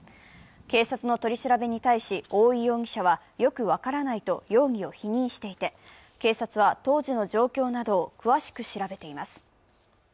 警察の取り調べに対し、大井容疑者はよく分からないと容疑を否認していて警察は当時の状況などを詳しく調べています。